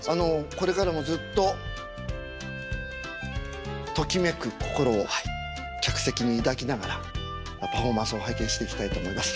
これからもずっとときめく心を客席に抱きながらパフォーマンスを拝見していきたいと思います。